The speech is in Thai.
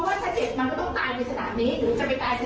ถูกไหมล่ะนี่เป็นสนามโลกครับ